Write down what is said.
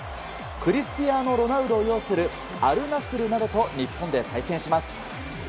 クリスティアーノ・ロナウドを擁するアル・ナスルなどと日本で対戦します。